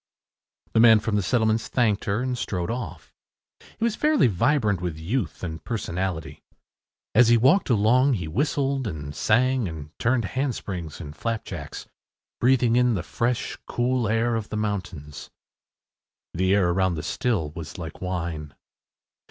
” The man from the settlements thanked her and strode off. He was fairly vibrant with youth and personality. As he walked along he whistled and sang and turned handsprings and flapjacks, breathing in the fresh, cool air of the mountains. The air around the still was like wine.